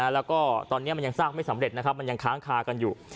แล้วก็ตอนนี้มันยังสร้างไม่สำเร็จนะครับมันยังค้างคากันอยู่